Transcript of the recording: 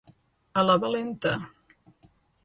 A la valenta.